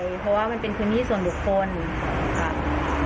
เพราะว่ามันเป็นที่มีสงบลวกคนนี้